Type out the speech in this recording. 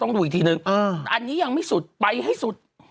ดูอีกทีนึงอันนี้ยังไม่สุดไปให้สุด